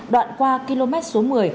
đoạn qua km số một mươi